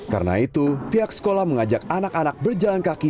karena itu pihak sekolah mengajak anak anak berjalan kaki